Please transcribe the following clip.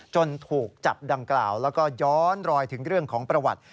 ถูกจับดังกล่าวแล้วก็ย้อนรอยถึงเรื่องของประวัติ